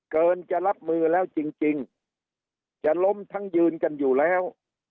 เกินจะรับมือแล้วจริงจะล้มทั้งยืนกันอยู่แล้ว